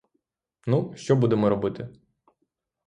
Ну, що будемо робити?